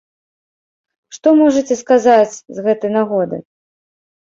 Што можаце сказаць з гэтай нагоды?